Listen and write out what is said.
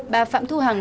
bà phạm thu hằng